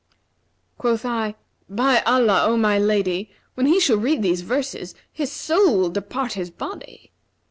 Quoth I, 'By Allah, O my lady, when he shall read these verses, his soul will depart his body!'